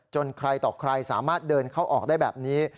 ใครต่อใครสามารถเดินเข้าออกได้แบบนี้